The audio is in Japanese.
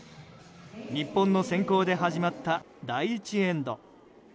日本の先行で始まった第１エンド。